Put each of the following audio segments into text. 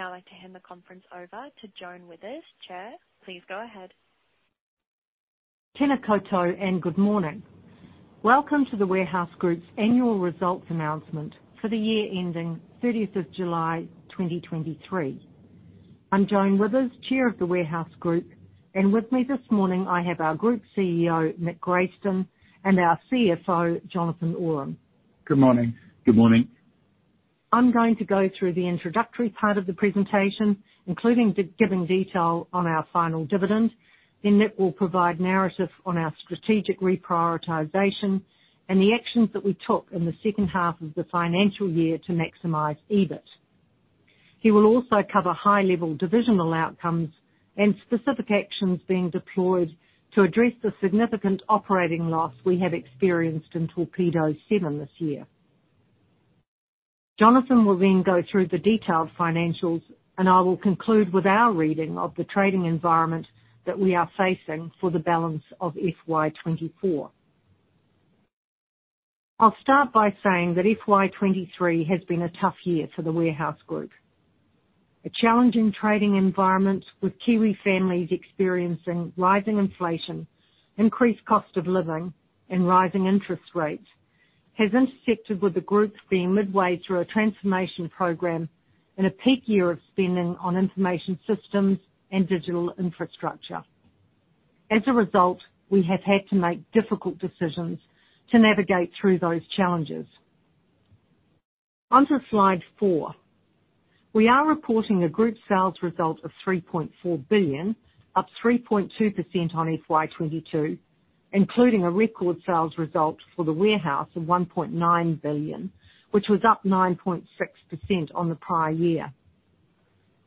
Now I'd like to hand the conference over to Joan Withers, Chair. Please go ahead. Tēnā koutou and good morning. Welcome to The Warehouse Group's annual results announcement for the year ending 30th of July, 2023. I'm Joan Withers, Chair of The Warehouse Group, and with me this morning, I have our Group CEO, Nick Grayston, and our CFO, Jonathan Oram. Good morning. Good morning. I'm going to go through the introductory part of the presentation, including giving detail on our final dividend. Then Nick will provide narrative on our strategic reprioritization and the actions that we took in the second half of the financial year to maximize EBIT. He will also cover high-level divisional outcomes and specific actions being deployed to address the significant operating loss we have experienced in Torpedo7 this year. Jonathan will then go through the detailed financials, and I will conclude with our reading of the trading environment that we are facing for the balance of FY 2024. I'll start by saying that FY 2023 has been a tough year for The Warehouse Group. A challenging trading environment, with Kiwi families experiencing rising inflation, increased cost of living, and rising interest rates, has intersected with the group being midway through a transformation program in a peak year of spending on information systems and digital infrastructure. As a result, we have had to make difficult decisions to navigate through those challenges. On to slide four. We are reporting a group sales result of 3.4 billion, up 3.2% on FY 2022, including a record sales result for The Warehouse of 1.9 billion, which was up 9.6% on the prior year.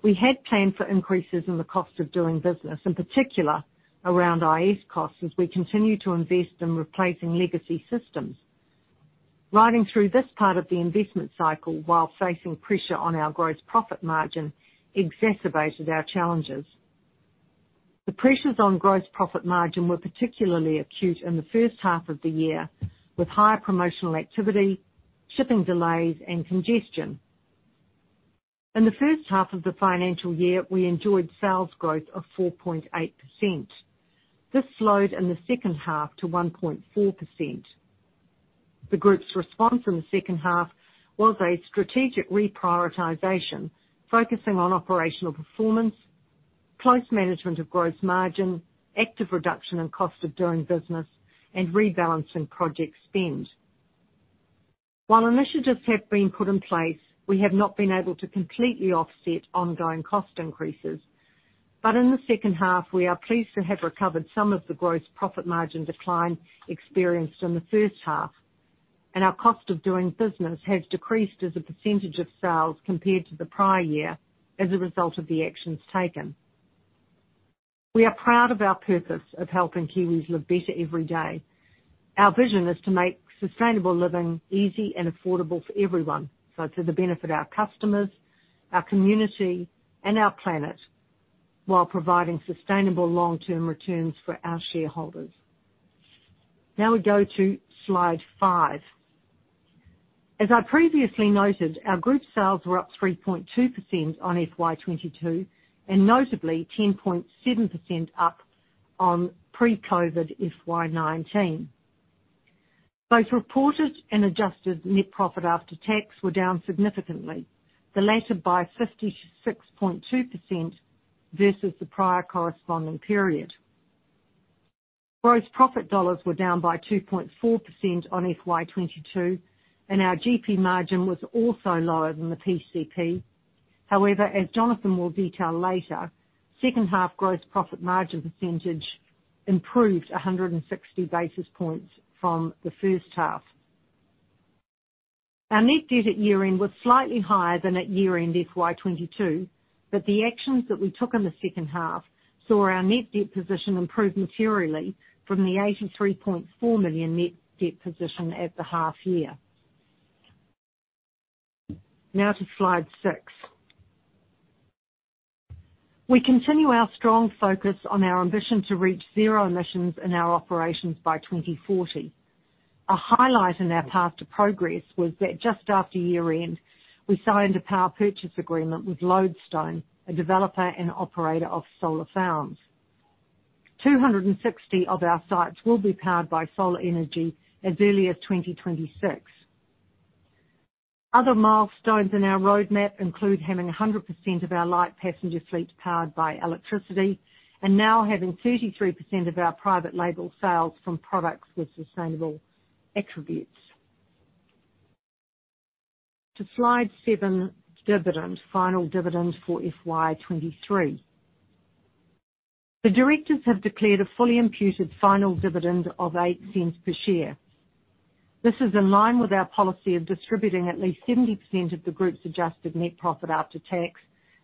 We had planned for increases in the cost of doing business, in particular around IS costs, as we continue to invest in replacing legacy systems. Riding through this part of the investment cycle while facing pressure on our gross profit margin, exacerbated our challenges. The pressures on gross profit margin were particularly acute in the first half of the year, with higher promotional activity, shipping delays, and congestion. In the first half of the financial year, we enjoyed sales growth of 4.8%. This slowed in the second half to 1.4%. The group's response in the second half was a strategic reprioritization, focusing on operational performance, close management of gross margin, active reduction in cost of doing business, and rebalancing project spend. While initiatives have been put in place, we have not been able to completely offset ongoing cost increases. But in the second half, we are pleased to have recovered some of the gross profit margin decline experienced in the first half, and our cost of doing business has decreased as a percentage of sales compared to the prior year as a result of the actions taken. We are proud of our purpose of helping Kiwis live better every day. Our vision is to make sustainable living easy and affordable for everyone, so to the benefit of our customers, our community, and our planet, while providing sustainable long-term returns for our shareholders. Now we go to slide five. As I previously noted, our group sales were up 3.2% on FY 2022, and notably 10.7% up on pre-COVID FY 2019. Both reported and adjusted net profit after tax were down significantly, the latter by 56.2% versus the prior corresponding period. Gross profit dollars were down by 2.4% on FY 2022, and our GP margin was also lower than the PCP. However, as Jonathan will detail later, second half gross profit margin percentage improved 160 basis points from the first half. Our net debt at year-end was slightly higher than at year-end FY 2022, but the actions that we took in the second half saw our net debt position improve materially from the 83.4 million net debt position at the half year. Now to slide six. We continue our strong focus on our ambition to reach zero emissions in our operations by 2040. A highlight in our path to progress was that just after year-end, we signed a power purchase agreement with Lodestone, a developer and operator of solar farms. Two hundred sixty of our sites will be powered by solar energy as early as 2026. Other milestones in our roadmap include having 100% of our light passenger fleet powered by electricity and now having 33% of our private label sales from products with sustainable attributes. To slide seven, dividends, final dividends for FY 2023. The directors have declared a fully imputed final dividend of 0.08 per share. This is in line with our policy of distributing at least 70% of the group's adjusted net profit after tax,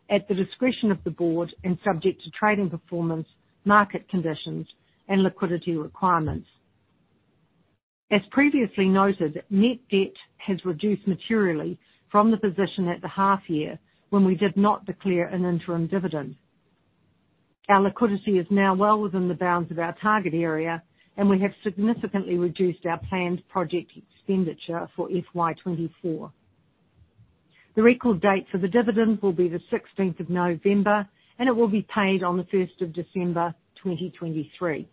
at the discretion of the board and subject to trading performance, market conditions, and liquidity requirements. As previously noted, net debt has reduced materially from the position at the half year when we did not declare an interim dividend. Our liquidity is now well within the bounds of our target area, and we have significantly reduced our planned project expenditure for FY 2024. The record date for the dividend will be the 16th of November, and it will be paid on the 1st of December, 2023.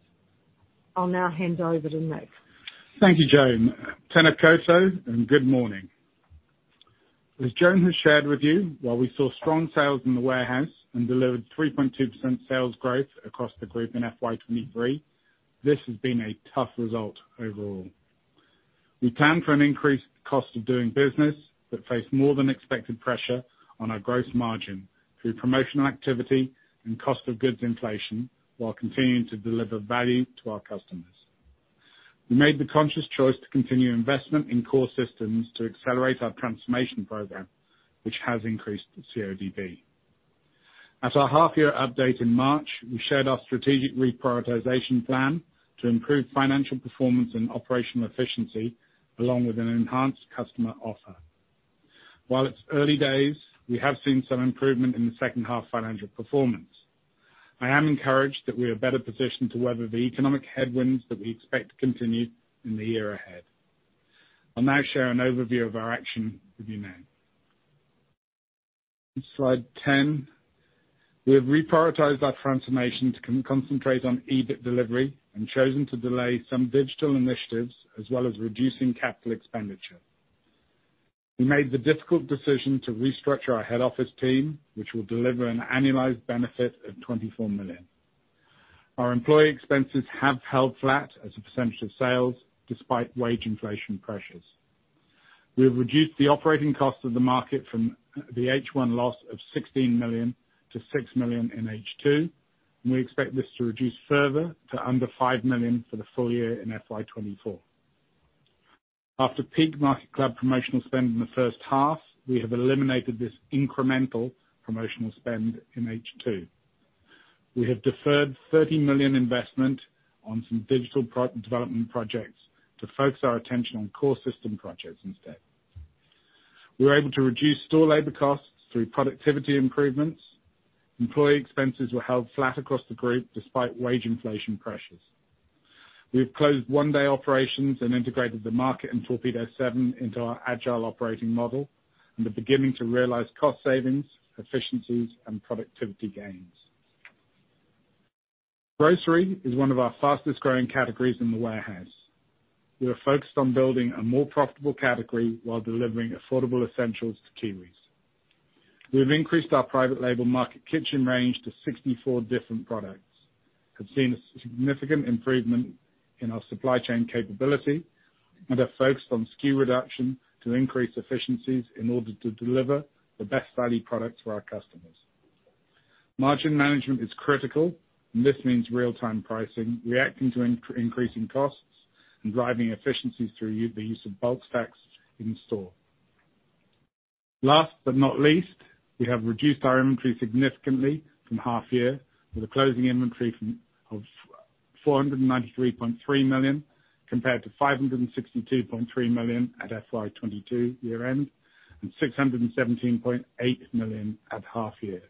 I'll now hand over to Nick. Thank you, Joan. Tēnā koutou, and good morning. As Joan has shared with you, while we saw strong sales in The Warehouse and delivered 3.2% sales growth across the group in FY 2023, this has been a tough result overall. We planned for an increased cost of doing business, but faced more than expected pressure on our gross margin through promotional activity and cost of goods inflation, while continuing to deliver value to our customers. We made the conscious choice to continue investment in core systems to accelerate our transformation program, which has increased the CODB. At our half year update in March, we shared our strategic reprioritization plan to improve financial performance and operational efficiency, along with an enhanced customer offer. While it's early days, we have seen some improvement in the second half financial performance. I am encouraged that we are better positioned to weather the economic headwinds that we expect to continue in the year ahead. I'll now share an overview of our action with you now. Slide 10. We have reprioritized our transformation to concentrate on EBIT delivery and chosen to delay some digital initiatives, as well as reducing CapEx We made the difficult decision to restructure our head office team, which will deliver an annualized benefit of 24 million. Our employee expenses have held flat as a percentage of sales, despite wage inflation pressures. We have reduced the operating cost of TheMarket from the H1 loss of 16 million to 6 million in H2, and we expect this to reduce further to under 5 million for the full year in FY 2024. After peak MarketClub promotional spend in the first half, we have eliminated this incremental promotional spend in H2. We have deferred 30 million investment on some digital product development projects to focus our attention on core system projects instead. We were able to reduce store labor costs through productivity improvements. Employee expenses were held flat across the group despite wage inflation pressures. We've closed 1-day operations and integrated TheMarket and Torpedo7 into our agile operating model and are beginning to realize cost savings, efficiencies, and productivity gains. Grocery is one of our fastest growing categories in The Warehouse. We are focused on building a more profitable category while delivering affordable essentials to Kiwis. We've increased our private label Market Kitchen range to 64 different products, have seen a significant improvement in our supply chain capability, and are focused on SKU reduction to increase efficiencies in order to deliver the best value products for our customers. Margin management is critical, and this means real-time pricing, reacting to increasing costs, and driving efficiencies through the use of bulk stacks in store. Last but not least, we have reduced our inventory significantly from half year, with a closing inventory of 493.3 million, compared to 562.3 million at FY 2022 year end, and 617.8 million at half year.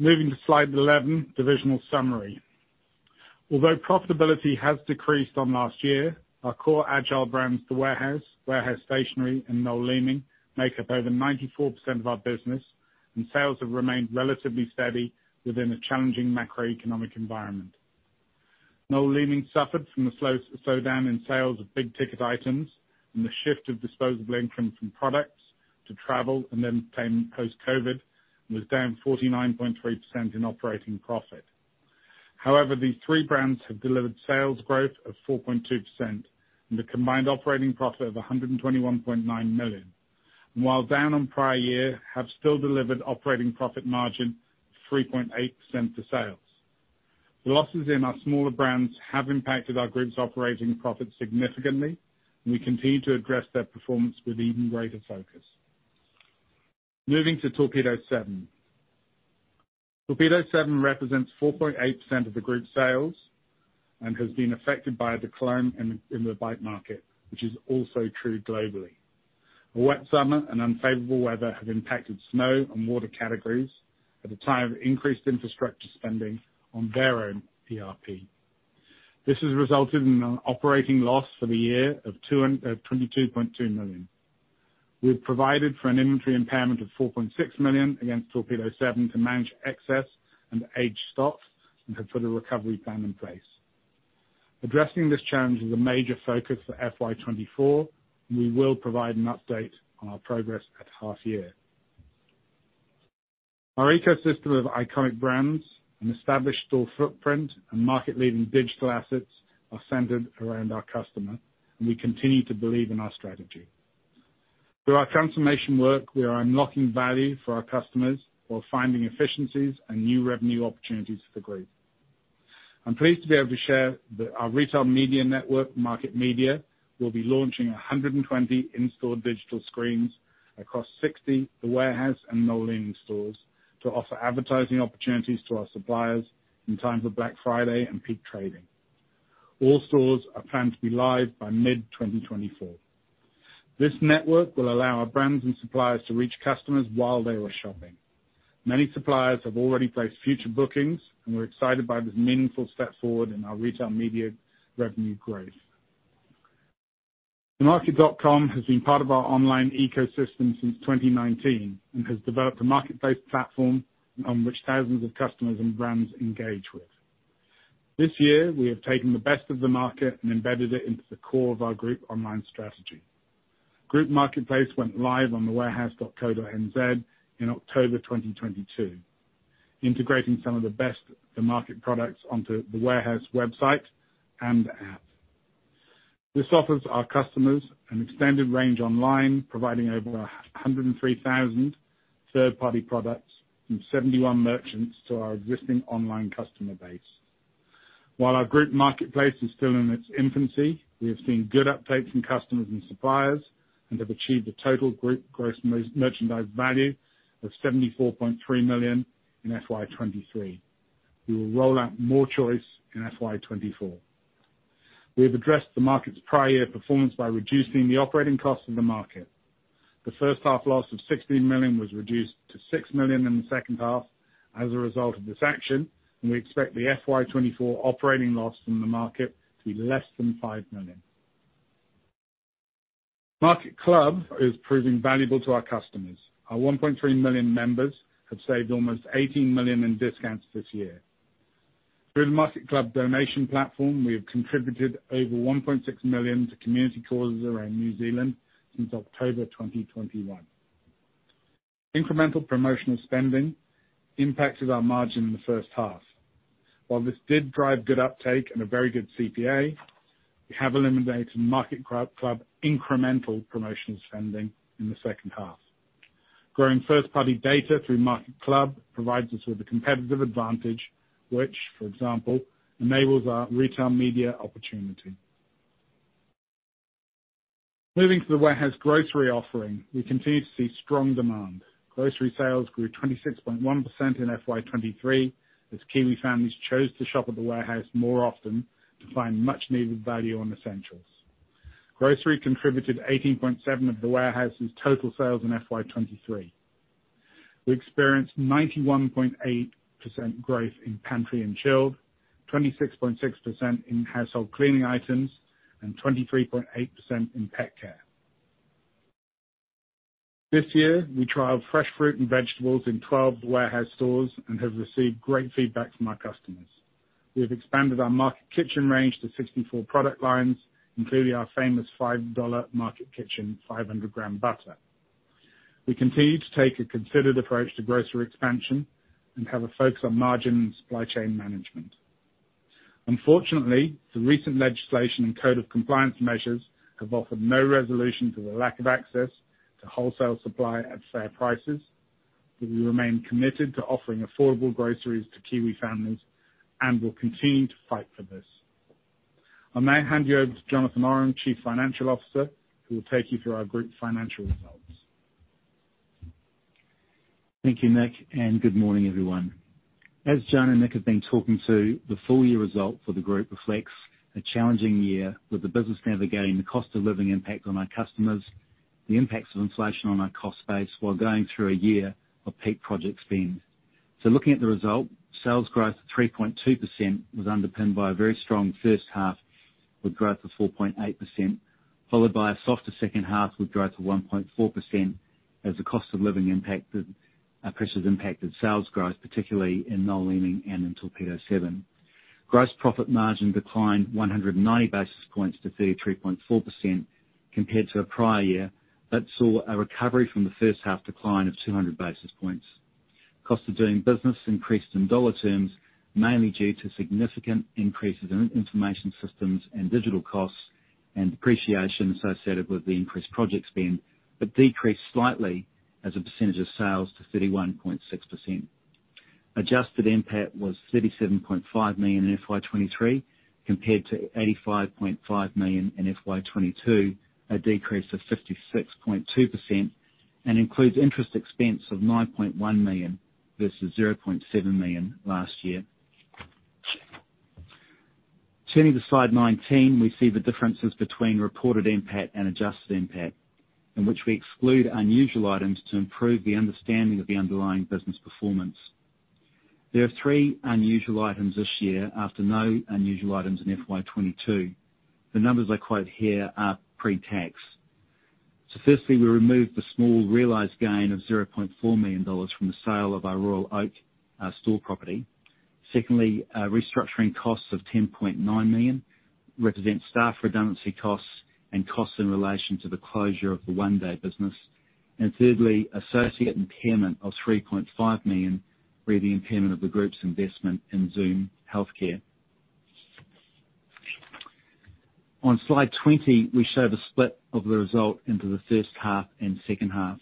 Moving to slide 11, divisional summary. Although profitability has decreased on last year, our core agile brands, The Warehouse, Warehouse Stationery, and Noel Leeming, make up over 94% of our business, and sales have remained relatively steady within a challenging macroeconomic environment. Noel Leeming suffered from the slowdown in sales of big-ticket items and the shift of disposable income from products to travel and entertainment post-COVID, and was down 49.3% in operating profit. However, these three brands have delivered sales growth of 4.2% and a combined operating profit of 121.9 million, and while down on prior year, have still delivered operating profit margin of 3.8% to sales. The losses in our smaller brands have impacted our group's operating profit significantly, and we continue to address their performance with even greater focus. Moving to Torpedo7. Torpedo7 represents 4.8% of the group's sales and has been affected by a decline in in the bike market, which is also true globally. A wet summer and unfavorable weather have impacted snow and water categories at a time of increased infrastructure spending on their own ERP. This has resulted in an operating loss for the year of 222.2 million. We have provided for an inventory impairment of 4.6 million against Torpedo7 to manage excess and aged stocks, and have put a recovery plan in place. Addressing this challenge is a major focus for FY 2024, and we will provide an update on our progress at half year. Our ecosystem of iconic brands and established store footprint and market-leading digital assets are centered around our customer, and we continue to believe in our strategy. Through our transformation work, we are unlocking value for our customers while finding efficiencies and new revenue opportunities for the group. I'm pleased to be able to share that our retail media network, Market Media, will be launching 120 in-store digital screens across 60 The Warehouse and Noel Leeming stores, to offer advertising opportunities to our suppliers in times of Black Friday and peak trading. All stores are planned to be live by mid-2024. This network will allow our brands and suppliers to reach customers while they are shopping. Many suppliers have already placed future bookings, and we're excited by this meaningful step forward in our retail media revenue growth. TheMarket.com has been part of our online ecosystem since 2019, and has developed a market-based platform on which thousands of customers and brands engage with. This year, we have taken the best of TheMarket and embedded it into the core of our group online strategy. Group Marketplace went live on thewarehouse.co.nz in October 2022, integrating some of the best-of-market products onto the Warehouse website and app. This offers our customers an extended range online, providing over 103,000 third-party products from 71 merchants to our existing online customer base. While our group marketplace is still in its infancy, we have seen good uptake from customers and suppliers and have achieved a total group gross merchandise value of 74.3 million in FY 2023. We will roll out more choice in FY 2024. We have addressed TheMarket.com's prior year performance by reducing the operating cost of TheMarket.com. The first half loss of 16 million was reduced to 6 million in the second half as a result of this action, and we expect the FY 2024 operating loss from TheMarket to be less than 5 million. MarketClub is proving valuable to our customers. Our 1.3 million members have saved almost 18 million in discounts this year. Through the MarketClub donation platform, we have contributed over 1.6 million to community causes around New Zealand since October 2021. Incremental promotional spending impacted our margin in the first half. While this did drive good uptake and a very good CPA, we have eliminated MarketClub incremental promotional spending in the second half. Growing first-party data through MarketClub provides us with a competitive advantage, which, for example, enables our retail media opportunity. Moving to the Warehouse grocery offering, we continue to see strong demand. Grocery sales grew 26.1% in FY 2023, as Kiwi families chose to shop at the Warehouse more often to find much-needed value on essentials. Grocery contributed 18.7% of the Warehouse's total sales in FY 2023. We experienced 91.8% growth in pantry and chilled, 26.6% in household cleaning items, and 23.8% in pet care. This year, we trialed fresh fruit and vegetables in 12 Warehouse stores and have received great feedback from our customers. We have expanded our Market Kitchen range to 64 product lines, including our famous 5 dollar Market Kitchen 500 g butter. We continue to take a considered approach to grocery expansion and have a focus on margin and supply chain management. Unfortunately, the recent legislation and code of compliance measures have offered no resolution to the lack of access to wholesale supply at fair prices, but we remain committed to offering affordable groceries to Kiwi families and will continue to fight for this. I'll now hand you over to Jonathan Oram, Chief Financial Officer, who will take you through our group financial results. Thank you, Nick, and good morning, everyone. As Joan and Nick have been talking to, the full-year result for the group reflects a challenging year, with the business navigating the cost of living impact on our customers, the impacts of inflation on our cost base, while going through a year of peak project spend. So looking at the result, sales growth of 3.2% was underpinned by a very strong first half, with growth of 4.8%, followed by a softer second half, with growth of 1.4%, as the cost of living impact of pressures impacted sales growth, particularly in Noel Leeming and in Torpedo7. Gross profit margin declined 190 basis points to 33.4% compared to a prior year, but saw a recovery from the first-half decline of 200 basis points. Cost of doing business increased in dollar terms, mainly due to significant increases in information systems and digital costs, and depreciation associated with the increased project spend, but decreased slightly as a percentage of sales to 31.6%. Adjusted NPAT was 37.5 million in FY 2023, compared to 85.5 million in FY 2022, a decrease of 56.2%, and includes interest expense of 9.1 million versus 0.7 million last year. Turning to slide 19, we see the differences between reported NPAT and adjusted NPAT, in which we exclude unusual items to improve the understanding of the underlying business performance. There are three unusual items this year, after no unusual items in FY 2022. The numbers I quote here are pre-tax. So firstly, we removed the small realized gain of 0.4 million dollars from the sale of our Royal Oak store property. Secondly, restructuring costs of 10.9 million represent staff redundancy costs and costs in relation to the closure of the 1-day business. And thirdly, associate impairment of 3.5 million, where the impairment of the group's investment in Zoom Healthcare. On Slide 20, we show the split of the result into the first half and second half.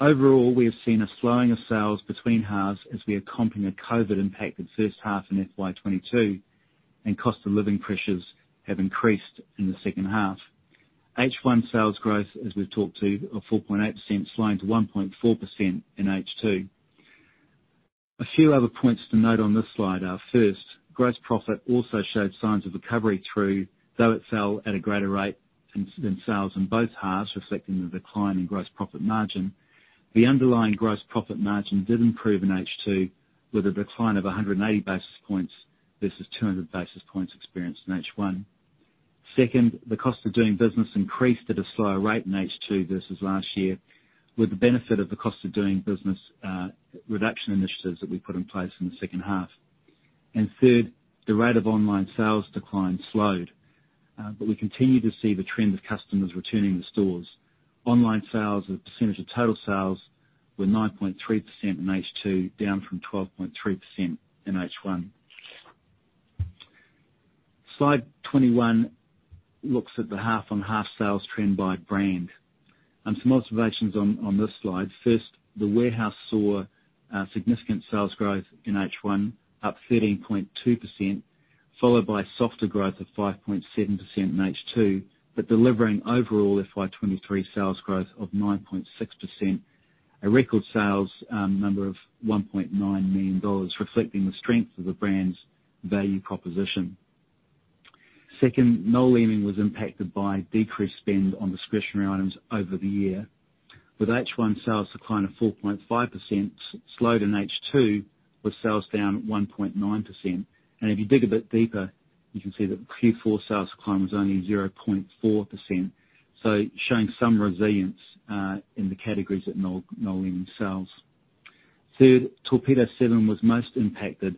Overall, we have seen a slowing of sales between halves as we are comping a COVID-impacted first half in FY 2022, and cost of living pressures have increased in the second half. H1 sales growth, as we've talked to, of 4.8%, slowing to 1.4% in H2. A few other points to note on this slide are, first, gross profit also showed signs of recovery though it fell at a greater rate in sales in both halves, reflecting the decline in gross profit margin. The underlying gross profit margin did improve in H2, with a decline of 180 basis points versus 200 basis points experienced in H1. Second, the cost of doing business increased at a slower rate in H2 versus last year, with the benefit of the cost of doing business reduction initiatives that we put in place in the second half. And third, the rate of online sales decline slowed, but we continue to see the trend of customers returning to stores. Online sales, as a percentage of total sales, were 9.3% in H2, down from 12.3% in H1. Slide 21 looks at the half-on-half sales trend by brand, and some observations on, on this slide. First, The Warehouse saw significant sales growth in H1, up 13.2%, followed by softer growth of 5.7% in H2, but delivering overall FY 2023 sales growth of 9.6%, a record sales number of 1.9 million dollars, reflecting the strength of the brand's value proposition. Second, Noel Leeming was impacted by decreased spend on discretionary items over the year, with H1 sales decline of 4.5%, slowed in H2, with sales down 1.9%. And if you dig a bit deeper, you can see that Q4 sales decline was only 0.4%, so showing some resilience in the categories that Noel Leeming sells. Third, Torpedo7 was most impacted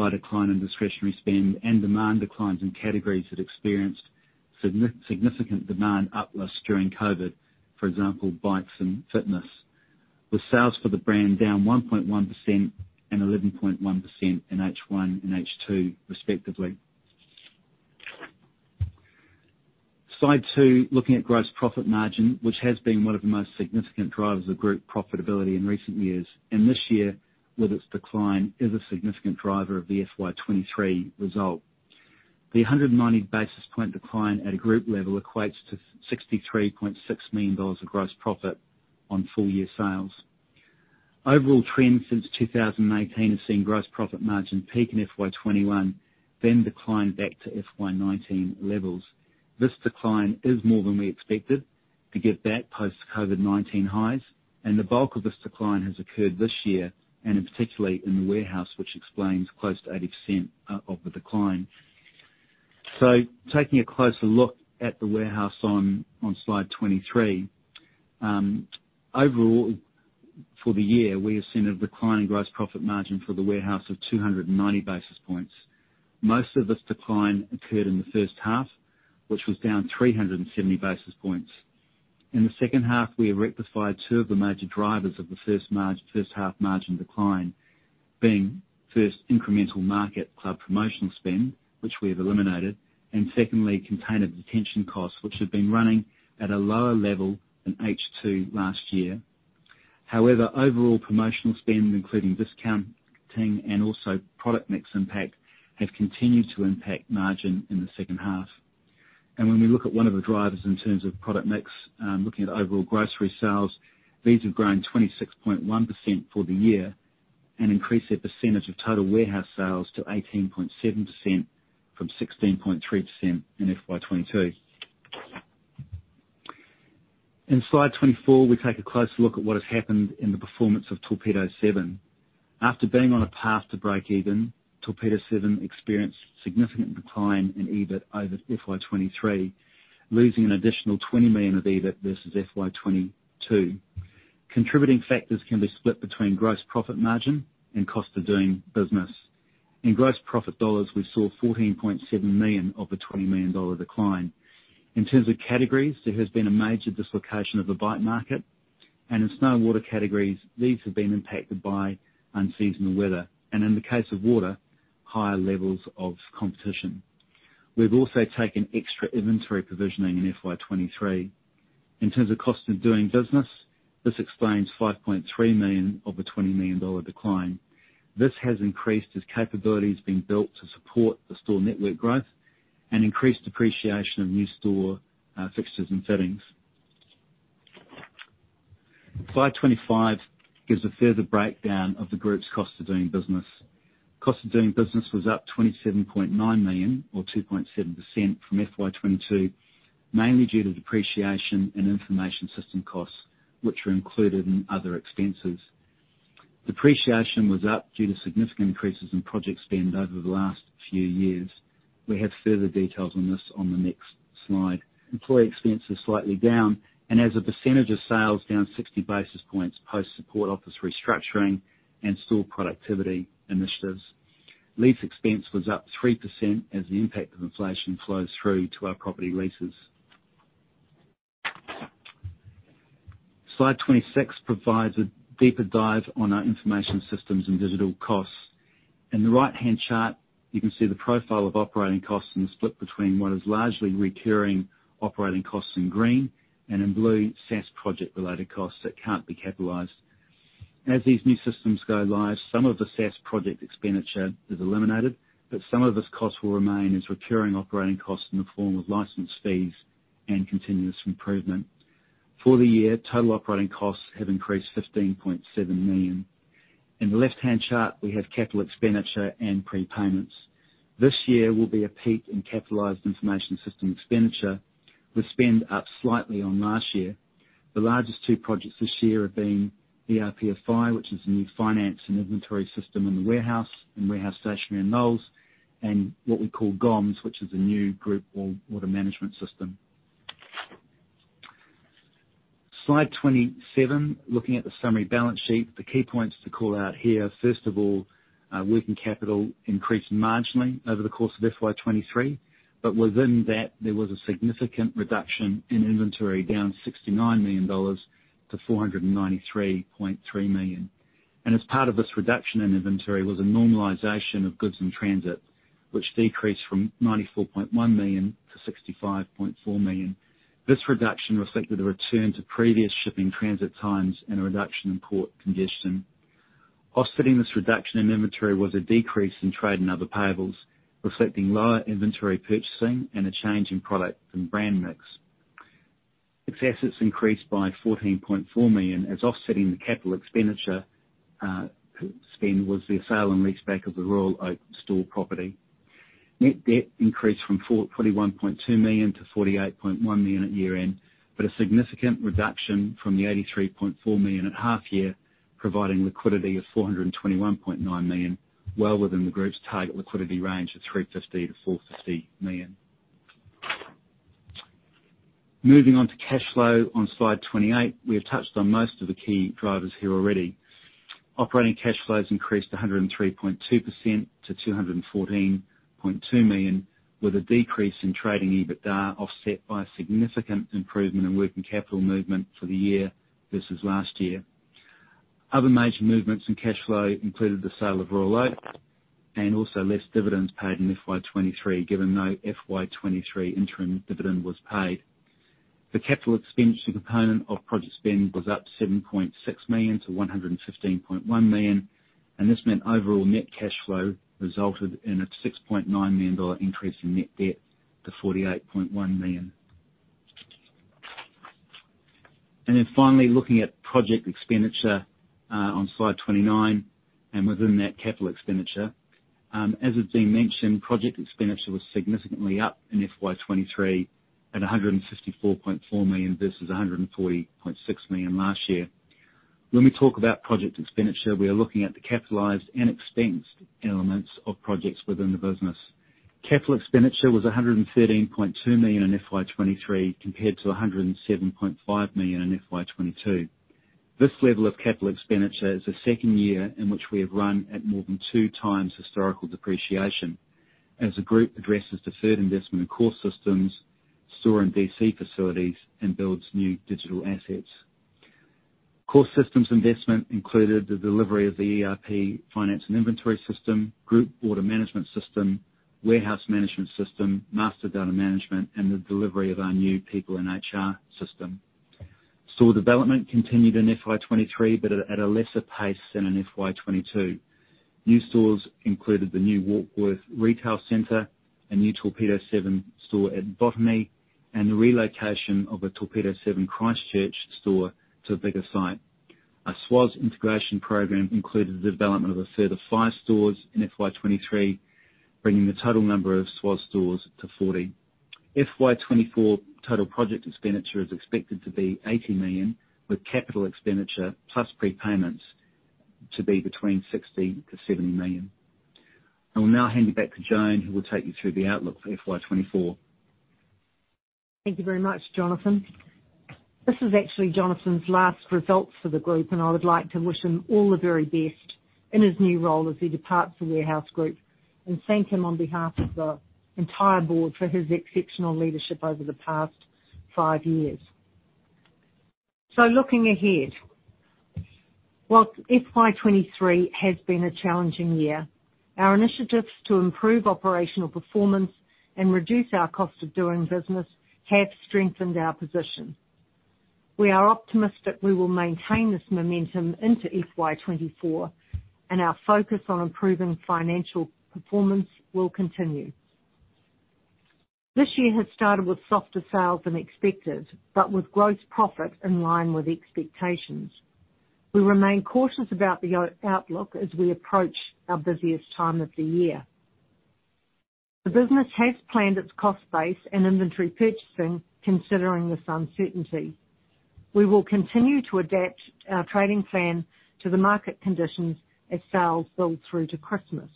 by decline in discretionary spend and demand declines in categories that experienced significant demand uplift during COVID, for example, bikes and fitness, with sales for the brand down 1.1% and 11.1% in H1 and H2, respectively. Slide 22, looking at gross profit margin, which has been one of the most significant drivers of group profitability in recent years, and this year, with its decline, is a significant driver of the FY 2023 result. The 190 basis point decline at a group level equates to 63.6 million dollars of gross profit on full-year sales. Overall trend since 2018 has seen gross profit margin peak in FY 2021, then decline back to FY 2019 levels. This decline is more than we expected to get back post-COVID-19 highs, and the bulk of this decline has occurred this year, and, in particular, in The Warehouse, which explains close to 80% of the decline. So taking a closer look at The Warehouse on slide 23. Overall, for the year, we have seen a decline in gross profit margin for The Warehouse of 290 basis points. Most of this decline occurred in the first half, which was down 370 basis points. In the second half, we have rectified two of the major drivers of the first half margin decline, being, first, incremental MarketClub promotional spend, which we have eliminated, and secondly, container detention costs, which have been running at a lower level than H2 last year. However, overall promotional spend, including discounting and also product mix impact, have continued to impact margin in the second half. And when we look at one of the drivers in terms of product mix, looking at overall grocery sales, these have grown 26.1% for the year and increased their percentage of total Warehouse sales to 18.7% from 16.3% in FY 2022. In slide 24, we take a closer look at what has happened in the performance of Torpedo7. After being on a path to break even, Torpedo7 experienced significant decline in EBIT over FY 2023, losing an additional 20 million of EBIT versus FY 2022. Contributing factors can be split between gross profit margin and cost of doing business. In gross profit dollars, we saw 14.7 million of the 20 million dollar decline. In terms of categories, there has been a major dislocation of the bike market, and in snow and water categories, these have been impacted by unseasonal weather, and in the case of water, higher levels of competition. We've also taken extra inventory provisioning in FY 2023. In terms of cost of doing business, this explains 5.3 million of the 20 million dollar decline. This has increased as capability is being built to support the store network growth and increased depreciation of new store, fixtures and fittings. Slide 25 gives a further breakdown of the group's cost of doing business. Cost of doing business was up 27.9 million, or 2.7% from FY 2022, mainly due to depreciation and information system costs, which were included in other expenses. Depreciation was up due to significant increases in project spend over the last few years. We have further details on this on the next slide. Employee expense is slightly down, and as a percentage of sales, down 60 basis points post support office restructuring and store productivity initiatives. Lease expense was up 3% as the impact of inflation flows through to our property leases. Slide 26 provides a deeper dive on our information systems and digital costs. In the right-hand chart, you can see the profile of operating costs and the split between what is largely recurring operating costs in green and in blue, SaaS project-related costs that can't be capitalized. As these new systems go live, some of the SaaS project expenditure is eliminated, but some of this cost will remain as recurring operating costs in the form of license fees and continuous improvement. For the year, total operating costs have increased 15.7 million. In the left-hand chart, we have CapEx and prepayments. This year will be a peak in capitalized information system expenditure, with spend up slightly on last year. The largest two projects this year have been ERPFI, which is a new finance and inventory system in The Warehouse, and Warehouse Stationery and Noel Leeming, and what we call GOMS, which is a new group order management system. Slide 27, looking at the summary balance sheet. The key points to call out here, first of all, working capital increased marginally over the course of FY 2023, but within that, there was a significant reduction in inventory, down 69 million dollars to 493.3 million. As part of this reduction in inventory was a normalization of goods in transit, which decreased from 94.1 million to 65.4 million. This reduction reflected a return to previous shipping transit times and a reduction in port congestion. Offsetting this reduction in inventory was a decrease in trade and other payables, reflecting lower inventory purchasing and a change in product and brand mix. Fixed assets increased by 14.4 million, as offsetting the CapEx spend was the sale and leaseback of the Royal Oak store property. Net debt increased from 41.2 million to 48.1 million at year-end, but a significant reduction from the 83.4 million at half year, providing liquidity of 421.9 million, well within the group's target liquidity range of 350-450 million. Moving on to cash flow on slide 28. We have touched on most of the key drivers here already. Operating cash flows increased 103.2% to 214.2 million, with a decrease in trading EBITDA, offset by a significant improvement in working capital movement for the year versus last year. Other major movements in cash flow included the sale of Royal Oak and also less dividends paid in FY 2023, given no FY 2023 interim dividend was paid. The CapEx component of project spend was up 7.6 million to 115.1 million, and this meant overall net cash flow resulted in a 6.9 million dollar increase in net debt to 48.1 million. Finally, looking at project expenditure on slide 29, and within that, CapEx As has been mentioned, project expenditure was significantly up in FY 2023 at 164.4 million versus 140.6 million last year. When we talk about project expenditure, we are looking at the capitalized and expensed elements of projects within the business. CapEx was 113.2 million in FY 2023, compared to 107.5 million in FY 2022. This level of CapEx is the second year in which we have run at more than 2x historical depreciation, as the group addresses deferred investment in core systems, store and DC facilities, and builds new digital assets. Core systems investment included the delivery of the ERPFI system, Group Order Management System, Warehouse Management System, Master Data Management, and the delivery of our new people and HR system. Store development continued in FY 2023, but at a lesser pace than in FY 2022. New stores included the new Warkworth retail centre, a new Torpedo7 store at Botany, and the relocation of a Torpedo7 Christchurch store to a bigger site. Our SWAS integration programme included the development of a further five stores in FY 2023, bringing the total number of SWAS stores to 40. FY 2024 total project expenditure is expected to be 80 million, with CapEx plus prepayments to be between 60 million to 70 million. I will now hand you back to Joan, who will take you through the outlook for FY 2024. Thank you very much, Jonathan. This is actually Jonathan's last results for the group, and I would like to wish him all the very best in his new role as he departs The Warehouse Group and thank him on behalf of the entire board for his exceptional leadership over the past five years. So looking ahead, while FY 2023 has been a challenging year, our initiatives to improve operational performance and reduce our cost of doing business have strengthened our position. We are optimistic we will maintain this momentum into FY 2024, and our focus on improving financial performance will continue. This year has started with softer sales than expected, but with gross profit in line with expectations. We remain cautious about the outlook as we approach our busiest time of the year. The business has planned its cost base and inventory purchasing considering this uncertainty. We will continue to adapt our trading plan to the market conditions as sales build through to Christmas.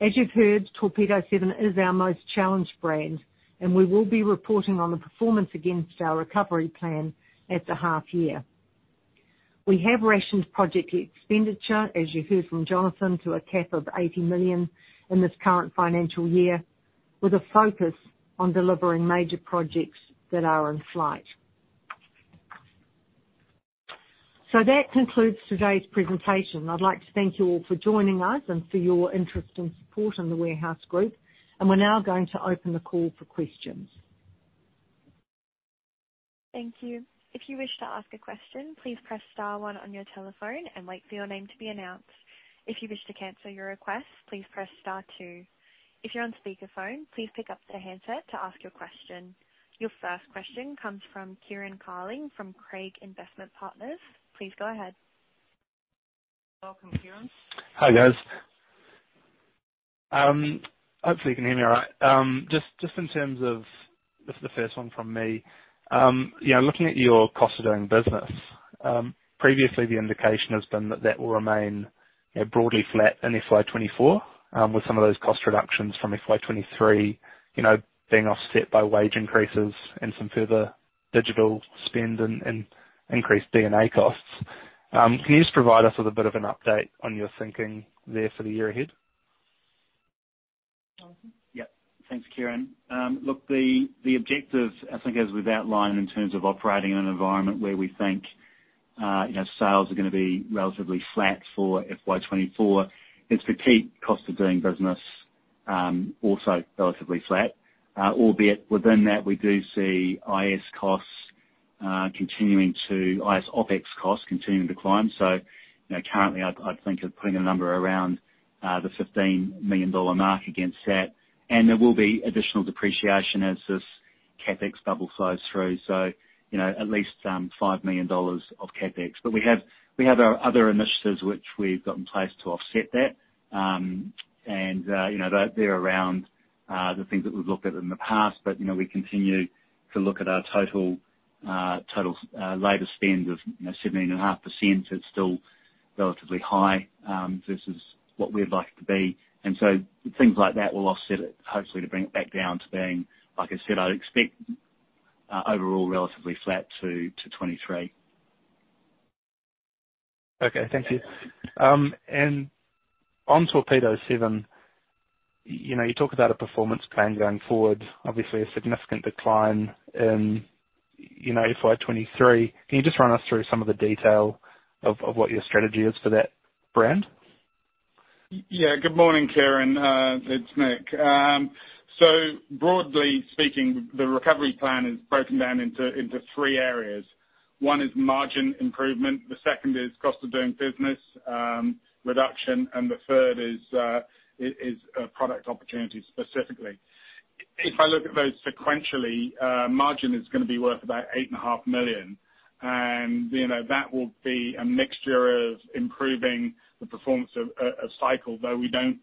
As you've heard, Torpedo7 is our most challenged brand, and we will be reporting on the performance against our recovery plan at the half year. We have rationed project expenditure, as you heard from Jonathan, to a cap of 80 million in this current financial year, with a focus on delivering major projects that are in flight. That concludes today's presentation. I'd like to thank you all for joining us and for your interest and support in The Warehouse Group, and we're now going to open the call for questions. Thank you. If you wish to ask a question, please press star one on your telephone and wait for your name to be announced. If you wish to cancel your request, please press star two. If you're on speakerphone, please pick up the handset to ask your question. Your first question comes from Kieran Carling from Craigs Investment Partners. Please go ahead. Welcome, Kieran. Hi, guys. Hopefully you can hear me all right. Just in terms of—this is the first one from me, yeah, looking at your cost of doing business, previously the indication has been that that will remain, you know, broadly flat in FY 2024, with some of those cost reductions from FY 2023, you know, being offset by wage increases and some further digital spend and increased D&A costs. Can you just provide us with a bit of an update on your thinking there for the year ahead? Jonathan? Yeah. Thanks, Kieran. Look, the objective, I think as we've outlined in terms of operating in an environment where we think, you know, sales are gonna be relatively flat for FY 2024, is to keep cost of doing business also relatively flat. Albeit within that, we do see IS costs continuing to IS OpEx costs continuing to climb. So, you know, currently I'd think of putting a number around the NZD 15 million mark against that. And there will be additional depreciation as this CapEx bubble flows through. So, you know, at least five million dollars of CapEx. But we have our other initiatives which we've got in place to offset that. You know, they, they're around the things that we've looked at in the past, but, you know, we continue to look at our total labor spend of, you know, 17.5% is still relatively high versus what we'd like it to be. And so things like that will offset it, hopefully to bring it back down to being, like I said, I'd expect overall relatively flat to 2023. Okay. Thank you. And on Torpedo7, you know, you talk about a performance plan going forward, obviously a significant decline in, you know, FY 2023. Can you just run us through some of the detail of what your strategy is for that brand? Yeah. Good morning, Kieran. It's Nick. So broadly speaking, the recovery plan is broken down into three areas. One is margin improvement, the second is cost of doing business reduction, and the third is product opportunities, specifically. If I look at those sequentially, margin is gonna be worth about 8.5 million, and, you know, that will be a mixture of improving the performance of cycle, though we don't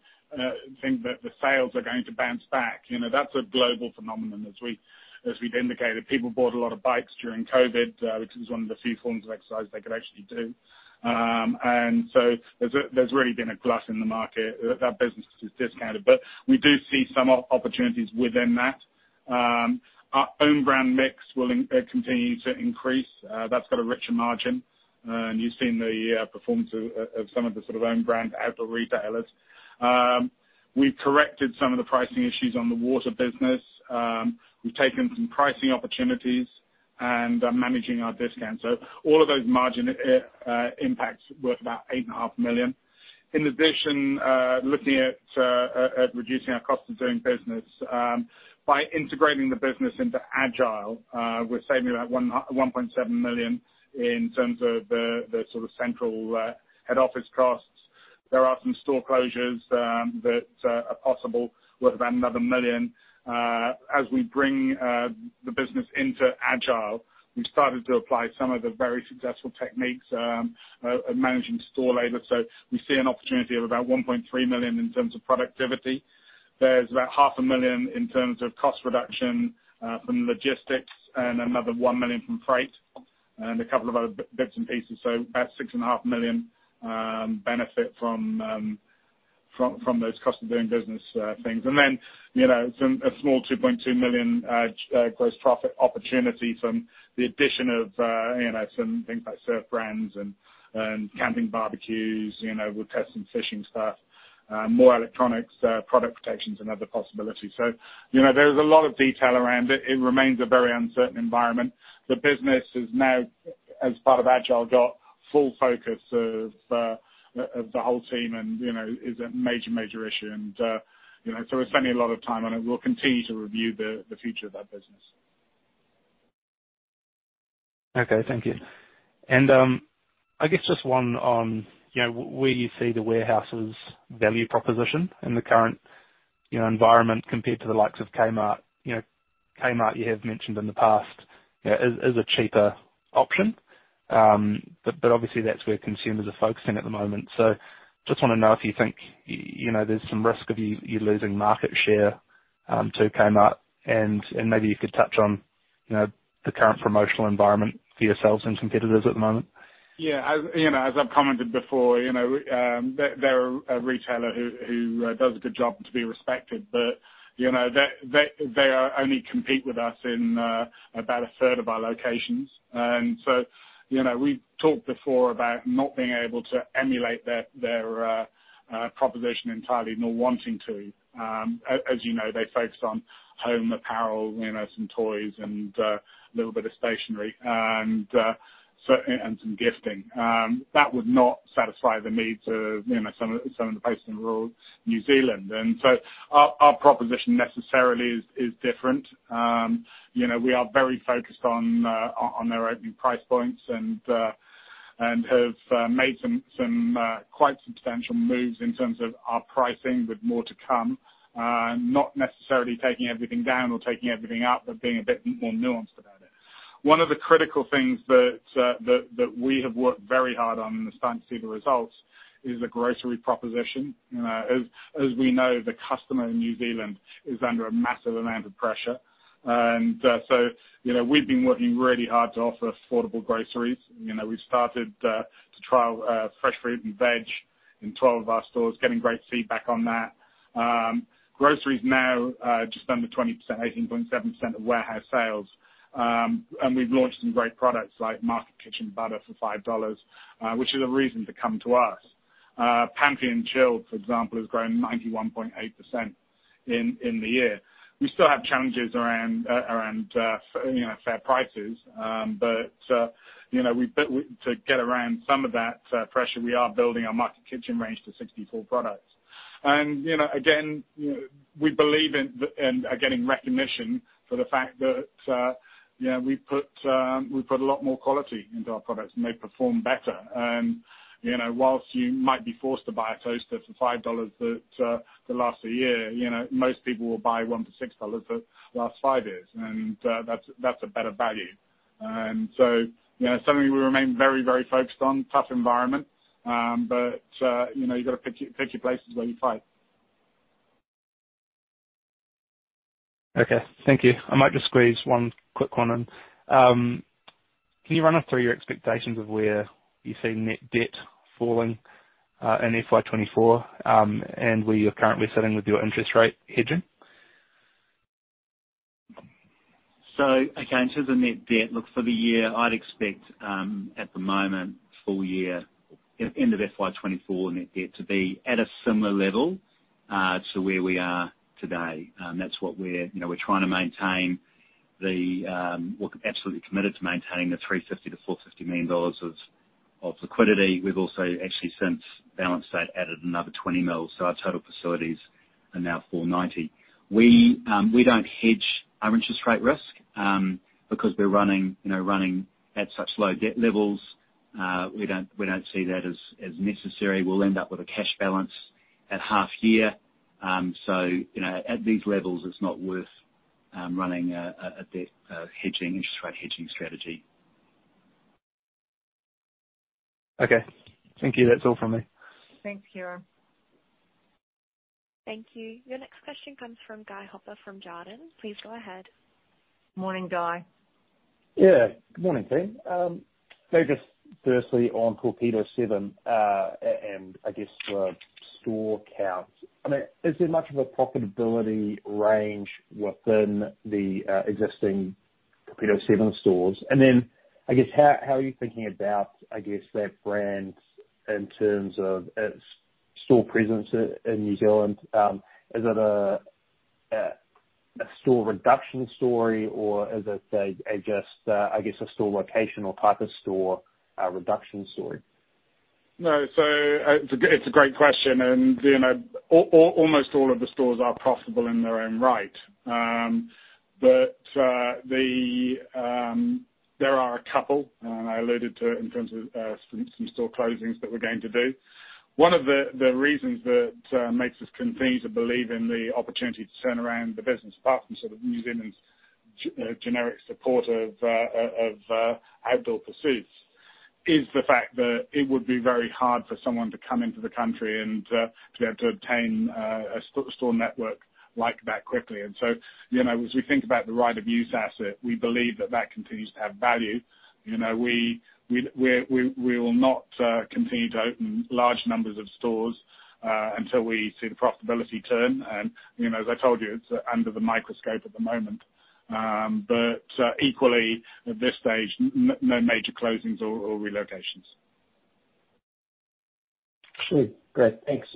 think that the sales are going to bounce back. You know, that's a global phenomenon as we, as we'd indicated. People bought a lot of bikes during COVID, which is one of the few forms of exercise they could actually do. And so there's really been a glut in the market. That business is discounted, but we do see some opportunities within that. Our own brand mix will continue to increase. That's got a richer margin, and you've seen the performance of some of the sort of own brand outdoor retailers. We've corrected some of the pricing issues on the water business. We've taken some pricing opportunities and are managing our discount. So all of those margin impacts worth about 8.5 million. In addition, looking at reducing our cost of doing business, by integrating the business into Agile, we're saving about 1.7 million in terms of the sort of central head office costs. There are some store closures that are possible, worth about another million. As we bring the business into Agile, we've started to apply some of the very successful techniques of managing store labor. So we see an opportunity of about 1.3 million in terms of productivity. There's about 0.5 million in terms of cost reduction from logistics, and another 1 million from freight, and a couple of other bits and pieces. So about 6.5 million benefit from those cost of doing business things. Then, you know, some—a small 2.2 million gross profit opportunity from the addition of, you know, some things like surf brands and camping barbecues. You know, we'll test some fishing stuff, more electronics, product protections, and other possibilities. So, you know, there's a lot of detail around it. It remains a very uncertain environment. The business is now, as part of Agile, got full focus of, of the whole team and, you know, is a major, major issue. And, you know, so we're spending a lot of time on it, and we'll continue to review the, the future of that business. Okay, thank you. And, I guess just one on, you know, where you see The Warehouse's value proposition in the current, you know, environment compared to the likes of Kmart. You know, Kmart, you have mentioned in the past, you know, is a cheaper option. But obviously that's where consumers are focusing at the moment. So just wanna know if you think, you know, there's some risk of you losing market share to Kmart, and maybe you could touch on, you know, the current promotional environment for yourselves and competitors at the moment. Yeah. As you know, as I've commented before, you know, they're a retailer who does a good job to be respected, but, you know, they only compete with us in about a third of our locations. And so, you know, we've talked before about not being able to emulate their proposition entirely, nor wanting to. As you know, they focused on home apparel, you know, some toys and a little bit of stationery and some gifting. That would not satisfy the needs of, you know, some of the places in rural New Zealand. And so our proposition necessarily is different. You know, we are very focused on our opening price points and have made some quite substantial moves in terms of our pricing with more to come. Not necessarily taking everything down or taking everything up, but being a bit more nuanced about it. One of the critical things that that we have worked very hard on, and are starting to see the results, is the grocery proposition. You know, as we know, the customer in New Zealand is under a massive amount of pressure. And so, you know, we've been working really hard to offer affordable groceries. You know, we've started to trial fresh fruit and veg in 12 of our stores, getting great feedback on that. Groceries now just under 20%, 18.7% of Warehouse sales. And we've launched some great products like Market Kitchen butter for 5 dollars, which is a reason to come to us. Pantry and chilled, for example, has grown 91.8% in the year. We still have challenges around you know fair prices. But you know to get around some of that pressure, we are building our Market Kitchen range to 64 products. And you know again, we believe in and are getting recognition for the fact that you know we put a lot more quality into our products, and they perform better. You know, while you might be forced to buy a toaster for 5 dollars that will last a year, you know, most people will buy one for 6 dollars that lasts 5 years, and that's, that's a better value. So, you know, something we remain very, very focused on. Tough environment, but you know, you've got to pick your, pick your places where you fight. Okay, thank you. I might just squeeze one quick one in. Can you run us through your expectations of where you see net debt falling in FY 2024, and where you're currently sitting with your interest rate hedging? So again, in terms of net debt, look for the year, I'd expect, at the moment, full year, at end of FY 2024 net debt to be at a similar level to where we are today. That's what we're, you know, we're trying to maintain the—we're absolutely committed to maintaining the 350 million-450 million dollars of liquidity. We've also actually since balanced that, added another 20 million, so our total facilities are now 490 million. We, we don't hedge our interest rate risk, because we're running, you know, running at such low debt levels, we don't, we don't see that as, as necessary. We'll end up with a cash balance at half year. So, you know, at these levels, it's not worth running a debt hedging interest rate hedging strategy. Okay. Thank you. That's all from me. Thanks, Kieran. Thank you. Your next question comes from Guy Hooper, from Jarden. Please go ahead. Morning, Guy. Yeah. Good morning, team. Maybe just firstly on Torpedo7, and I guess, store count, I mean, is there much of a profitability range within the existing Torpedo7 stores? And then, I guess, how are you thinking about, I guess, that brand in terms of its store presence in New Zealand? Is it a store reduction story, or is it a just, I guess, a store location or type of store reduction story? No, so it's a great question, and, you know, almost all of the stores are profitable in their own right. But there are a couple, and I alluded to it in terms of some store closings that we're going to do. One of the reasons that makes us continue to believe in the opportunity to turn around the business, apart from sort of New Zealand's generic support of outdoor pursuits, is the fact that it would be very hard for someone to come into the country and to be able to obtain a store network like that quickly. And so, you know, as we think about the right of use asset, we believe that that continues to have value. You know, we will not continue to open large numbers of stores until we see the profitability turn. And, you know, as I told you, it's under the microscope at the moment. But equally, at this stage, no major closings or relocations. Sure. Great. Thanks.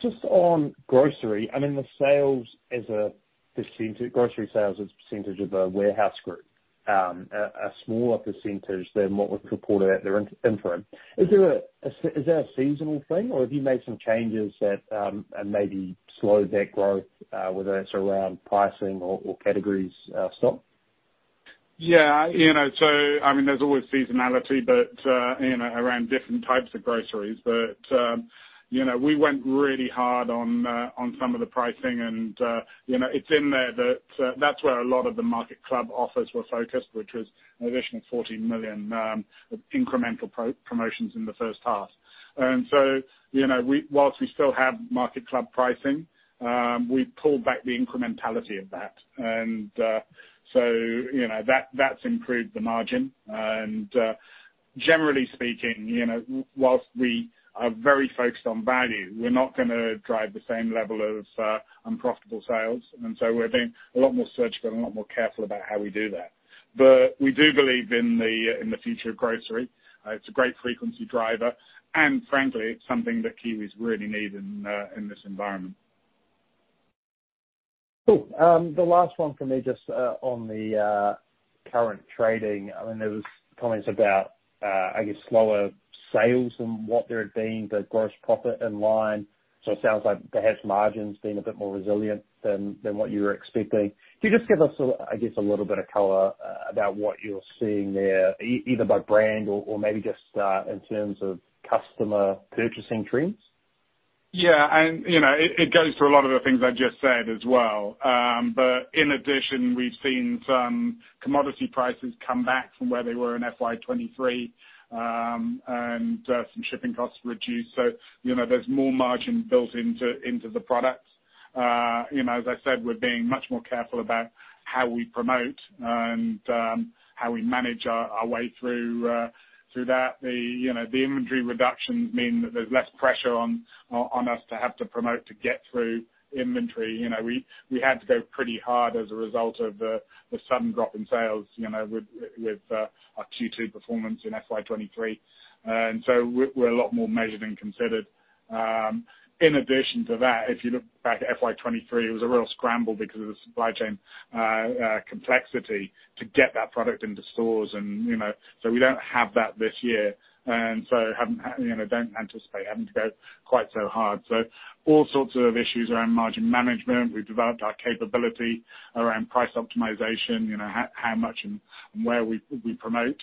Just on grocery, I mean, the sales as a percent—grocery sales as a percentage of The Warehouse Group, a smaller percentage than what was reported at the interim. Is that a seasonal thing, or have you made some changes that maybe slowed that growth, whether that's around pricing or categories, stock? Yeah, you know, so I mean, there's always seasonality, but, you know, around different types of groceries. But, you know, we went really hard on some of the pricing and, you know, it's in there that, that's where a lot of the MarketClub offers were focused, which was an additional 40 million incremental promotions in the first half. And so, you know, we, whilst we still have MarketClub pricing, we pulled back the incrementality of that. And, so, you know, that, that's improved the margin. And, generally speaking, you know, whilst we are very focused on value, we're not gonna drive the same level of unprofitable sales. And so we're being a lot more surgical and a lot more careful about how we do that. But we do believe in the future of grocery. It's a great frequency driver, and frankly, it's something that Kiwis really need in this environment. Cool. The last one from me, just on the current trading. I mean, there was comments about, I guess, slower sales than what there had been, but gross profit in line. So it sounds like perhaps margin's been a bit more resilient than what you were expecting. Can you just give us a, I guess, a little bit of color about what you're seeing there, either by brand or, or maybe just in terms of customer purchasing trends? Yeah, and, you know, it goes through a lot of the things I just said as well. But in addition, we've seen some commodity prices come back from where they were in FY 2023, and some shipping costs reduced. So, you know, there's more margin built into the products. You know, as I said, we're being much more careful about how we promote and how we manage our way through that. You know, the inventory reductions mean that there's less pressure on us to have to promote to get through inventory. You know, we had to go pretty hard as a result of the sudden drop in sales, you know, with our Q2 performance in FY 2023. And so we're a lot more measured and considered. In addition to that, if you look back at FY 2023, it was a real scramble because of the supply chain complexity to get that product into stores. And, you know, so we don't have that this year, and so haven't, you know, don't anticipate having to go quite so hard. So all sorts of issues around margin management. We've developed our capability around price optimization, you know, how, how much and where we, we promote.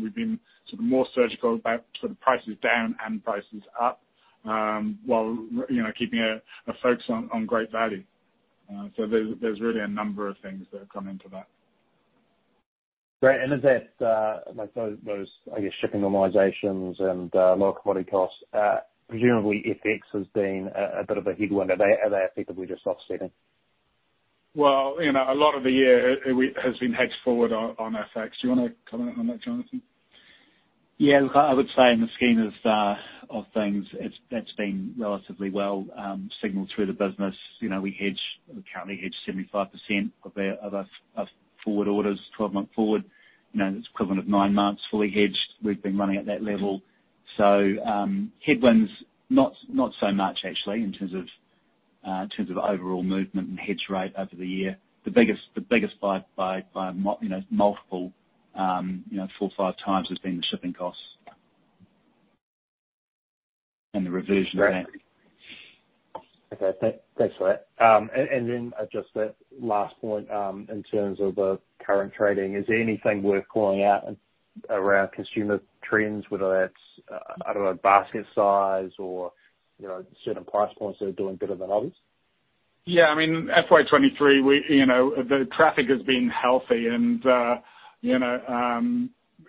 We've been sort of more surgical about sort of prices down and prices up, while, you know, keeping a, a focus on, on great value. So there's, there's really a number of things that have come into that. Great. And is that, like, those shipping normalizations and lower commodity costs, presumably FX has been a bit of a headwind. Are they effectively just offsetting? Well, you know, a lot of the year has been hedged forward on, on FX. Do you wanna comment on that, Jonathan? Yeah, look, I would say in the scheme of things, that's been relatively well signaled through the business. You know, we hedge, we currently hedge 75% of our forward orders, 12-month forward. You know, that's equivalent of nine months fully hedged. We've been running at that level. So, headwinds, not so much actually, in terms of overall movement and hedge rate over the year. The biggest, the biggest by multiple, you know, 4x, 5x, has been the shipping costs and the revision of that. Okay. Thanks for that. And then just that last point, in terms of the current trading, is there anything worth calling out around consumer trends, whether that's, I don't know, basket size or, you know, certain price points that are doing better than others? Yeah. I mean, FY 2023, we, you know, the traffic has been healthy and, you know,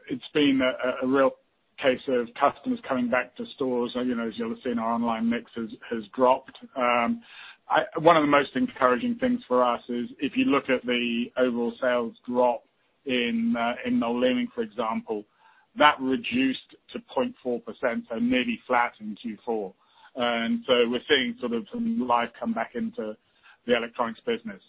it's been a real case of customers coming back to stores. You know, as you'll have seen, our online mix has dropped. One of the most encouraging things for us is if you look at the overall sales drop in, in Noel Leeming, for example, that reduced to 0.4%, so maybe flat in Q4. And so we're seeing sort of some life come back into the electronics business.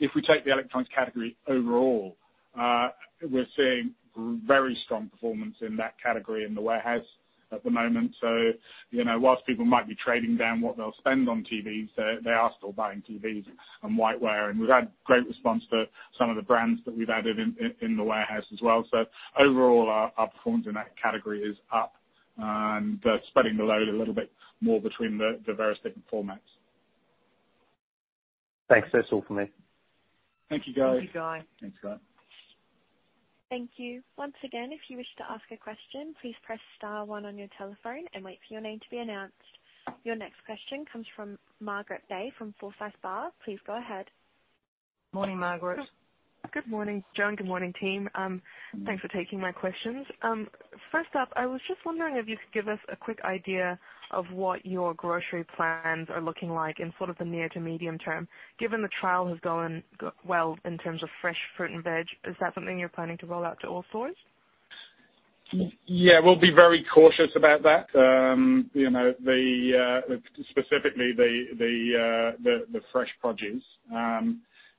If we take the electronics category overall, we're seeing very strong performance in that category in The Warehouse at the moment. So, you know, whilst people might be trading down what they'll spend on TVs, they are still buying TVs and whiteware. We've had great response to some of the brands that we've added in the Warehouse as well. Overall, our performance in that category is up and spreading the load a little bit more between the various different formats. Thanks. That's all for me. Thank you, Guy. Thank you, Guy. Thanks, Guy. Thank you. Once again, if you wish to ask a question, please press star one on your telephone and wait for your name to be announced. Your next question comes from Margaret Bei from Forsyth Barr. Please go ahead. Morning, Margaret. Good morning, Joan. Good morning, team. Thanks for taking my questions. First up, I was just wondering if you could give us a quick idea of what your grocery plans are looking like in sort of the near to medium term, given the trial has gone well in terms of fresh fruit and veg. Is that something you're planning to roll out to all stores? Yeah, we'll be very cautious about that. You know, specifically the fresh produce.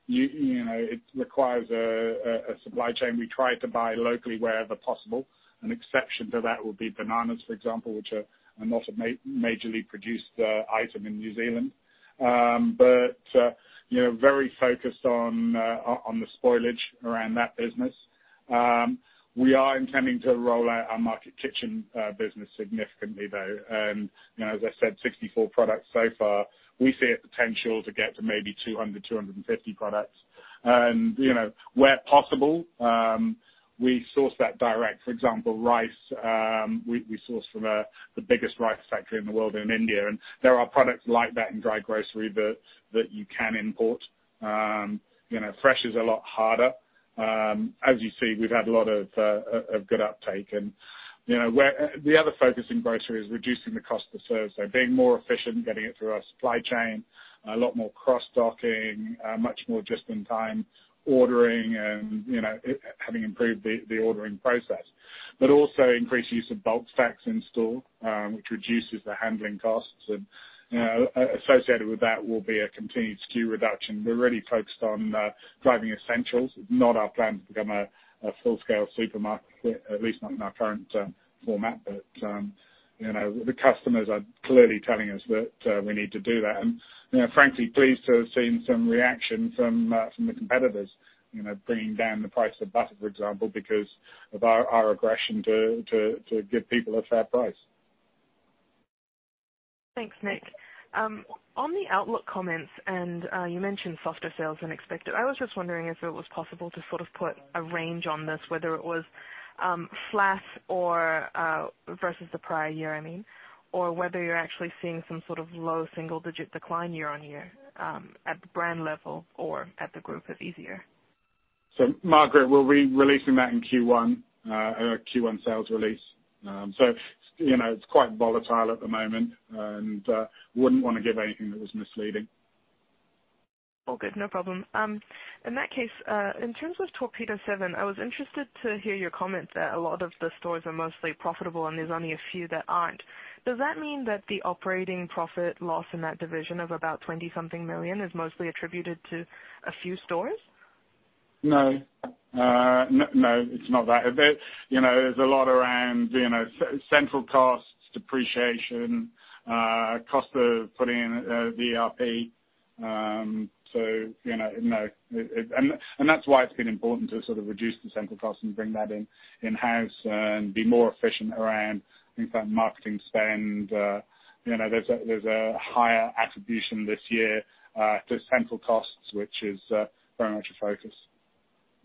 You know, it requires a supply chain. We try to buy locally wherever possible. An exception to that would be bananas, for example, which are not a majorly produced item in New Zealand. But you know, very focused on the spoilage around that business. We are intending to roll out our Market Kitchen business significantly, though. You know, as I said, 64 products so far. We see a potential to get to maybe 200, 250 products. And you know, where possible, we source that direct. For example, rice, we source from the biggest rice factory in the world in India. And there are products like that in dry grocery that you can import. You know, fresh is a lot harder. As you see, we've had a lot of good uptake. And, you know, where the other focus in grocery is reducing the cost to serve. So being more efficient, getting it through our supply chain, a lot more cross-docking, much more just-in-time ordering, and, you know, having improved the ordering process. But also increased use of bulk stacks in store, which reduces the handling costs. And, you know, associated with that will be a continued SKU reduction. We're really focused on driving essentials. It's not our plan to become a full-scale supermarket, at least not in our current format. But, you know, the customers are clearly telling us that we need to do that, and, you know, frankly, pleased to have seen some reaction from the competitors. You know, bringing down the price of butter, for example, because of our aggression to give people a fair price. Thanks, Nick. On the outlook comments, and you mentioned softer sales than expected. I was just wondering if it was possible to sort of put a range on this, whether it was flat or versus the prior year, I mean, or whether you're actually seeing some sort of low single digit decline year on year, at the brand level or at the group, if easier. So Margaret, we'll be releasing that in Q1, our Q1 sales release. So, you know, it's quite volatile at the moment, and wouldn't want to give anything that was misleading. All good. No problem. In that case, in terms of Torpedo7, I was interested to hear your comments that a lot of the stores are mostly profitable, and there's only a few that aren't. Does that mean that the operating profit loss in that division of about 20-something million is mostly attributed to a few stores? No, it's not that. A bit, you know, there's a lot around, you know, central costs, depreciation, cost of putting in the ERP. So, you know, it—and that's why it's been important to sort of reduce the central costs and bring that in-house, and be more efficient around, in fact, marketing spend. You know, there's a higher attribution this year to central costs, which is very much a focus.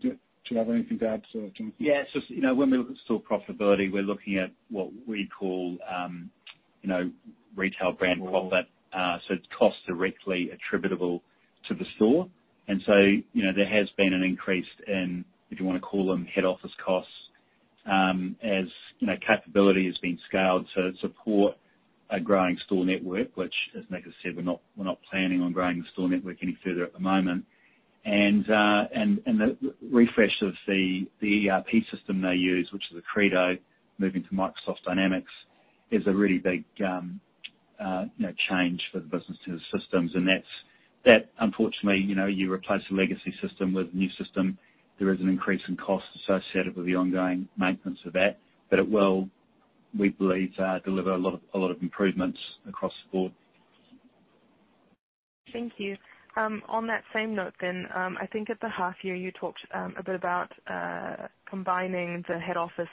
Do you have anything to add, Jonathan? Yeah, it's just, you know, when we look at store profitability, we're looking at what we call, you know, retail brand profit. So it's costs directly attributable to the store. And so, you know, there has been an increase in, if you wanna call them, head office costs, as, you know, capability has been scaled to support a growing store network, which, as Nick has said, we're not, we're not planning on growing the store network any further at the moment. And the refresh of the ERP system they use, which is Accredo, moving to Microsoft Dynamics, is a really big, you know, change for the business systems. And that's unfortunately, you know, you replace a legacy system with a new system, there is an increase in costs associated with the ongoing maintenance of that. It will, we believe, deliver a lot of, a lot of improvements across the board. Thank you. On that same note then, I think at the half year you talked a bit about combining the head office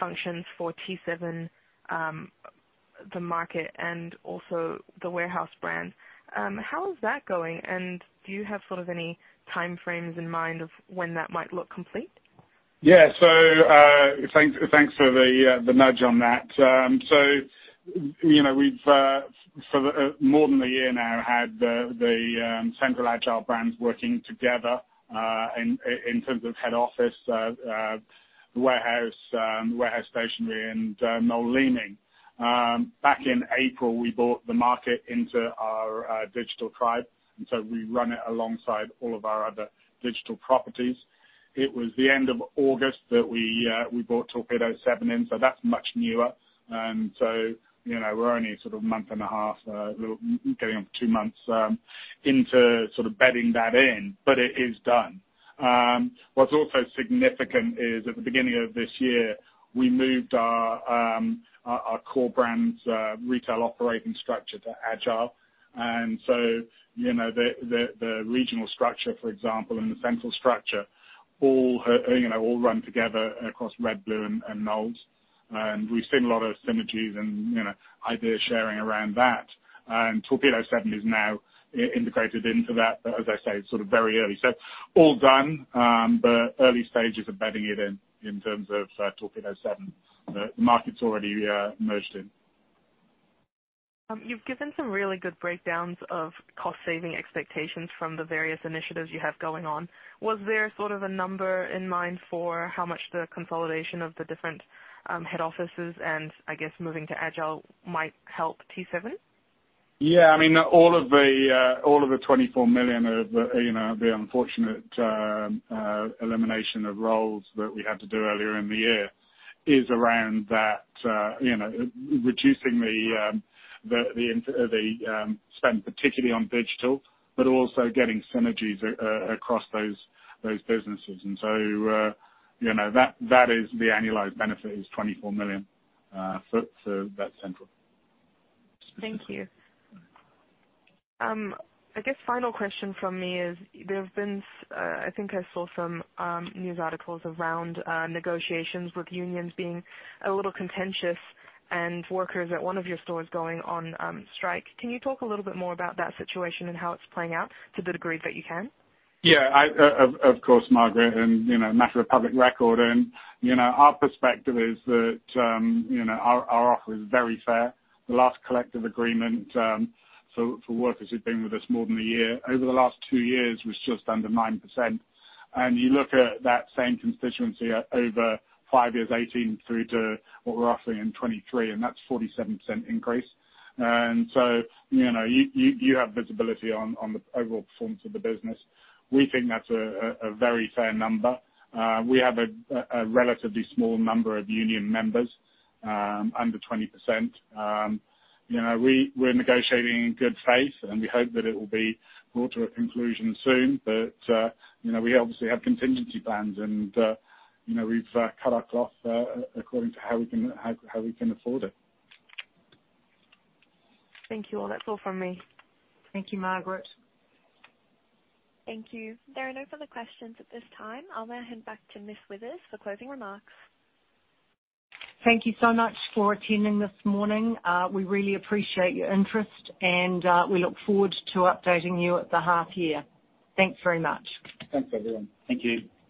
functions for T7, TheMarket and also The Warehouse brand. How is that going? And do you have sort of any timeframes in mind of when that might look complete? Yeah. So, thanks, thanks for the the nudge on that. So, you know, we've for more than a year now, had the the central Agile brands working together in in terms of head office the Warehouse the Warehouse Stationery and Noel Leeming. Back in April, we brought TheMarket into our digital tribe, and so we run it alongside all of our other digital properties. It was the end of August that we brought Torpedo7 in, so that's much newer. And so, you know, we're only sort of a month and a half little going on two months into sort of bedding that in, but it is done. What's also significant is, at the beginning of this year, we moved our core brands retail operating structure to Agile. And so, you know, the regional structure, for example, and the central structure, all, you know, all run together across Red, Blue, and Noel's. And we've seen a lot of synergies and, you know, idea sharing around that. And Torpedo7 is now integrated into that, but as I say, it's sort of very early. So all done, but early stages of bedding it in, in terms of Torpedo7. TheMarket's already merged in. You've given some really good breakdowns of cost saving expectations from the various initiatives you have going on. Was there sort of a number in mind for how much the consolidation of the different head offices and I guess moving to Agile might help T7? Yeah. I mean, all of the, all of the 24 million of, you know, the unfortunate, elimination of roles that we had to do earlier in the year is around that, you know, reducing the, the spend, particularly on digital, but also getting synergies across those businesses. And so, you know, that is the annualized benefit is 24 million, so that's central. Thank you. I guess final question from me is there have been, I think I saw some news articles around negotiations with unions being a little contentious and workers at one of your stores going on strike. Can you talk a little bit more about that situation and how it's playing out, to the degree that you can? Yeah, of course, Margaret, and, you know, matter of public record and, you know, our perspective is that, you know, our offer is very fair. The last collective agreement, for workers who've been with us more than a year, over the last two years, was just under 9%. And you look at that same constituency over five years, 2018 through to what we're roughly in 2023, and that's 47% increase. And so, you know, you have visibility on the overall performance of the business. We think that's a very fair number. We have a relatively small number of union members, under 20%. You know, we're negotiating in good faith, and we hope that it will be brought to a conclusion soon. But, you know, we obviously have contingency plans, and, you know, we've cut our cloth according to how we can afford it. Thank you all. That's all from me. Thank you, Margaret. Thank you. There are no further questions at this time. I'll now hand back to Ms. Withers for closing remarks. Thank you so much for attending this morning. We really appreciate your interest, and we look forward to updating you at the half year. Thanks very much. Thanks, everyone. Thank you.